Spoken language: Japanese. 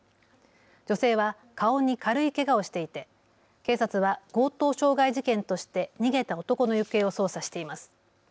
女性は顔に軽いけがをしていて警察は強盗傷害事件として逃げた男の行方を捜査しています。